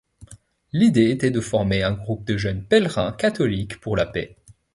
L’idée était de former un groupe de jeunes pèlerins catholiques pour la Paix.